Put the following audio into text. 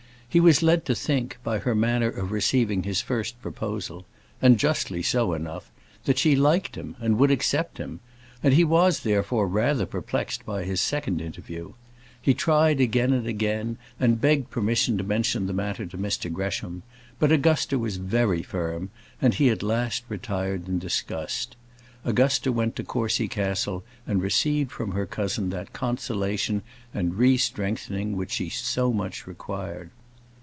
He was led to think, by her manner of receiving his first proposal and justly so, enough that she liked him, and would accept him; and he was, therefore, rather perplexed by his second interview. He tried again and again, and begged permission to mention the matter to Mr Gresham; but Augusta was very firm, and he at last retired in disgust. Augusta went to Courcy Castle, and received from her cousin that consolation and re strengthening which she so much required.